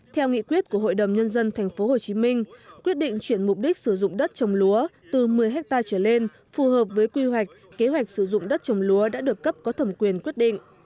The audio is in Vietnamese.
theo nghị quyết của hội đồng nhân dân tp hcm quyết định chuyển mục đích sử dụng đất trồng lúa từ một mươi hectare trở lên phù hợp với quy hoạch kế hoạch sử dụng đất trồng lúa đã được cấp có thẩm quyền quyết định